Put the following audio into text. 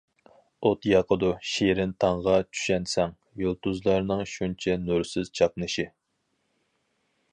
ئوت ياقىدۇ شېرىن تاڭغا چۈشەنسەڭ، يۇلتۇزلارنىڭ شۇنچە نۇرسىز چاقنىشى.